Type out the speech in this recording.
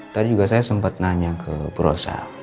tadi juga saya sempet nanya ke brosa